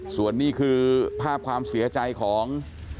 ส่วนนี้คือภาพความเสียใจของ